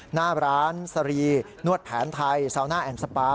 หน้าร้านสรีนวดแผนไทยซาวน่าแอนดสปา